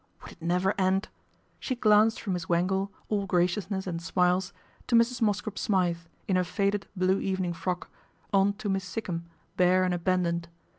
Would it never end ? She glanced from Miss Wangle, all graciousness and smiles, to Mrs. Mosscrop Smythe, in her faded blue evening frock, on to Miss Sikkum bare and abandoned.